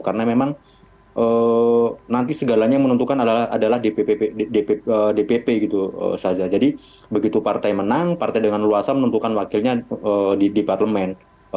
karena memang nanti segalanya yang menentukan adalah dpp gitu saja jadi begitu partai menang partai dengan luasa menentukan wakilnya di parlemen